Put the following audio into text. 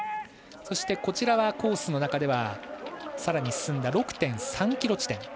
そしてこちらはコースの中ではさらに進んだ６．３ｋｍ地点。